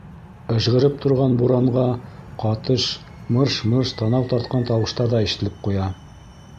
Ыжғырып торған буранға ҡатыш мырш-мырш танау тартҡан тауыштар ҙа ишетелеп ҡуя.